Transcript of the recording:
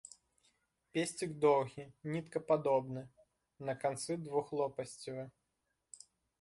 Песцік доўгі, ніткападобны, на канцы двухлопасцевы.